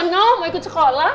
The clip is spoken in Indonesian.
nona mau ikut sekolah